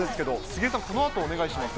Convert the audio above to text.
杉江さん、このあとお願いします。